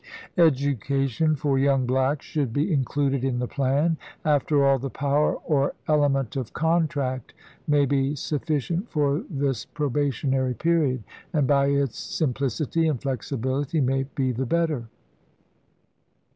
Education for young blacks should be included in the plan. After all, the power or element of " contract " may be sufficient for this probationary period ; and by its simplicity and flexibihty may be the better.